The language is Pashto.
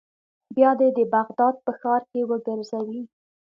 بیا دې د بغداد په ښار کې وګرځوي.